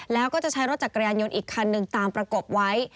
แล้วก็จะใช้รถจักรยานยนต์อีกคันหนึ่งตามประกบไว้